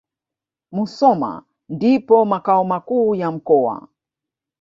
Musoma ndipo makao makuu ya mkoa